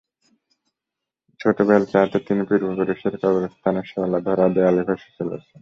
ছোট বেলচা হাতে তিনি পূর্বপুরুষের কবরস্থানের শেওলা ধরা দেয়াল ঘষে চলেছেন।